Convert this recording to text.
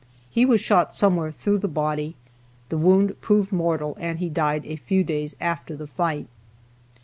He was shot somewhere through the body. The wound proved mortal and he died a few days after the fight.